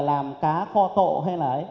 làm cá kho tộ hay là ấy